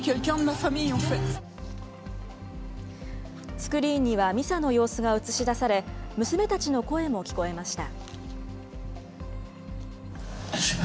スクリーンにはミサの様子が映し出され、娘たちの声も聞こえました。